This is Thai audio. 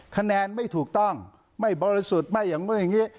คะแนนไม่ถูกต้องไม่บริสุทธิ์ไม่อย่างนู้นอย่างนี้